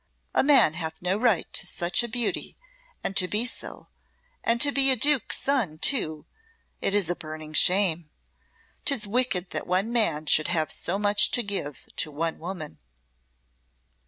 A man hath no right to be such a beauty and to be so, and to be a Duke's son, too, is a burning shame. 'Tis wicked that one man should have so much to give to one woman."